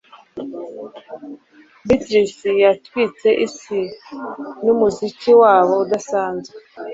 beatles yatwitse isi numuziki wabo udasanzwe